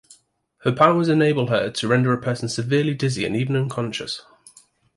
Her powers enable her to render a person severely dizzy and even unconscious.